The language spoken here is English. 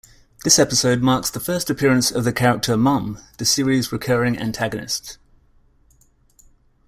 This episode marks the first appearance of the character Mom, the series' recurring antagonist.